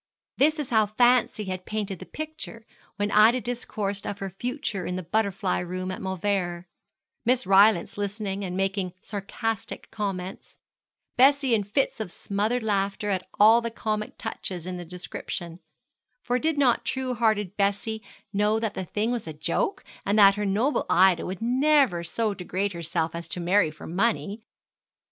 This is how fancy had painted the picture when Ida discoursed of her future in the butterfly room at Mauleverer; Miss Rylance listening and making sarcastic comments; Bessie in fits of smothered laughter at all the comic touches in the description; for did not true hearted Bessie know that the thing was a joke, and that her noble Ida would never so degrade herself as to marry for money?